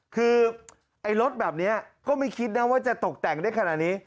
คือไอ้รถแบบนี้ก็ไม่คิดนะว่าจะตกแต่งได้ขนาดนี้